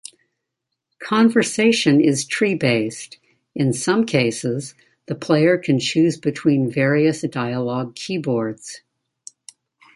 Conversation is tree-based: in some cases, the player can choose between various dialogue keywords.